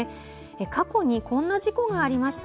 過去にこんな事故がありました。